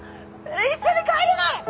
一緒に帰れない！